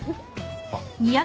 あっ。